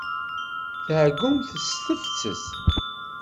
Tɛeyyumt s tefses.